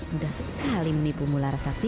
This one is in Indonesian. sudah sekali menipu larasati